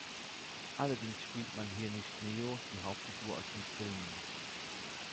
Allerdings spielt man hier nicht "Neo", die Hauptfigur aus den Filmen.